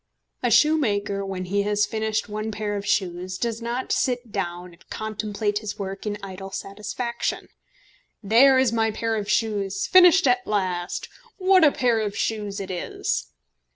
A shoemaker when he has finished one pair of shoes does not sit down and contemplate his work in idle satisfaction. "There is my pair of shoes finished at last! What a pair of shoes it is!"